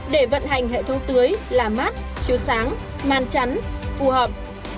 để vận hành hệ thống tưới là mát chiếu sáng man chắn phù hợp